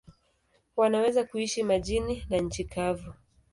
Wanaweza kuishi majini na nchi kavu.